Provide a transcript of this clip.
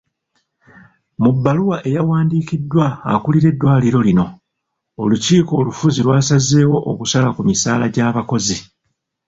Mu bbaluwa eyawandiikiddwa akulira eddwaliro lino, olukiiko olufuzi lwasazeewo okusala ku misala gy'abakozi.